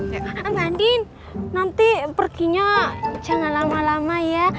bu andin nanti perginya jangan lama lama ya